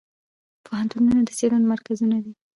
پوهنتونونه د څیړنو مرکزونه دي.